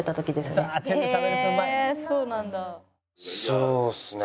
そうっすね